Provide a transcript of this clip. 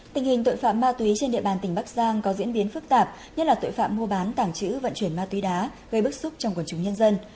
tình hình tội phạm ma túy trên địa bàn tỉnh bắc giang có diễn biến phức tạp nhất là tội phạm mua bán tảng chữ vận chuyển ma túy đá gây bức xúc trong quần chúng nhân dân